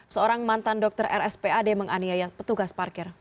seorang mantan dokter rspad menganiaya petugas parkir